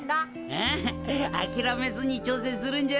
あああきらめずにちょうせんするんじゃぞ。